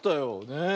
ねえ。